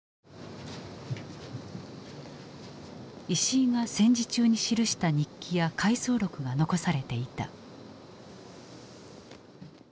石井が戦時中に記した日記や回想録が残されていた。